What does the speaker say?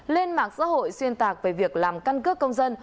lên mạng xã hội xuyên tạc về việc làm căn cước công dân